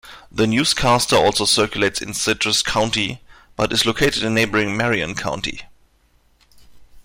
The Newscaster also circulates in Citrus County but is located in neighboring Marion County.